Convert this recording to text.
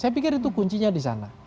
saya pikir itu kuncinya di sana